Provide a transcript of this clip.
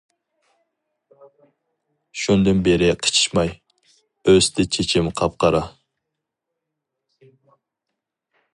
شۇندىن بېرى قىچىشماي، ئۆستى چېچىم قاپقارا.